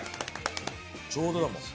ちょうどだもん。